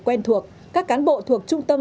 quen thuộc các cán bộ thuộc trung tâm